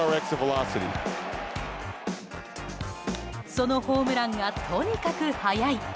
そのホームランがとにかく速い！